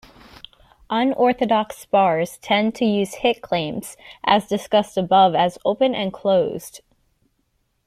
Unorthodox spars tend to use hit claims, as discussed above as open and closed.